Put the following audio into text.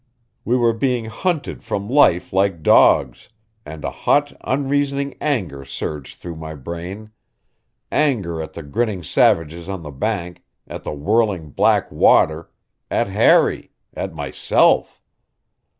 We were being hunted from life like dogs, and a hot, unreasoning anger surged through my brain anger at the grinning savages on the bank, at the whirling black water, at Harry, at myself.